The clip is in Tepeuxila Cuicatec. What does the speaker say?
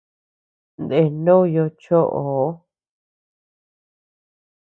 Nde noyo choʼo.